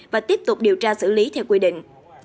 và tiếp tục điều tra xử lý theo quy định